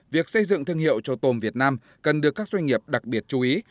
việc xây dựng thương hiệu cho tôm việt nam cần được các doanh nghiệp đặc biệt chú ý